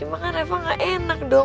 cuma kan refah gak enak dong